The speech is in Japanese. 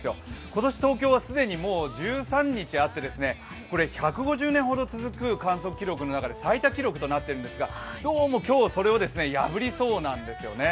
今年、東京は既にもう１３日となっていて、１２０年ほど続く観測記録の中で最多記録となっているんですが、どうも今日、それを破りそうなんですよね。